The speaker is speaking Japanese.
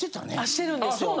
してるんですよ